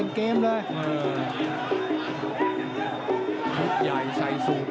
โอ้โหแดงโชว์แล้วโชว์อีกเลยเดี๋ยวดูผู้ดอลก่อน